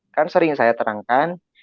kan sering saya terangkan